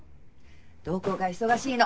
どこが忙しいの？